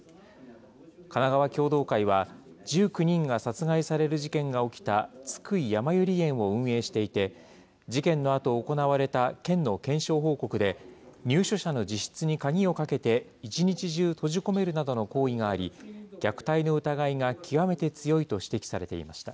かながわ共同会は、１９人が殺害される事件が起きた津久井やまゆり園を運営していて、事件のあと行われた県の検証報告で、入所者の自室に鍵をかけて一日中閉じ込めるなどの行為があり、虐待の疑いが極めて強いと指摘されていました。